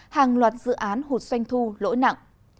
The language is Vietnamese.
hàng loạt dự án hụt xoanh thu lỗi nặng